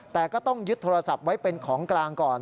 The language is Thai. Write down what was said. แต่ก็ต้องยึดโทรศัพท์ไว้เป็นของกลางก่อน